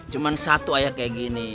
cuma satu ayah kayak gini